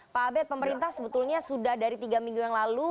pak abed pemerintah sebetulnya sudah dari tiga minggu yang lalu